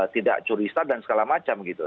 tidak curista dan segala macam gitu